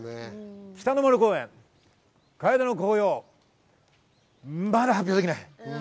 北の丸公園、カエデの紅葉、まだ発表できない。